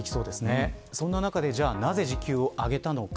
そんな中でなぜ時給を上げたのか。